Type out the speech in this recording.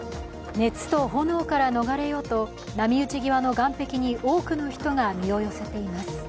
熱と炎から逃れようと波打ち際の岸壁に多くの人が身を寄せています。